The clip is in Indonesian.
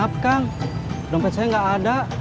maaf kang dompet saya gak ada